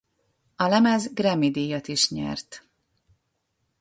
A lemez Grammy-díjat is nyert.